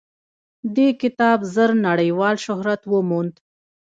دې کتاب ژر نړیوال شهرت وموند.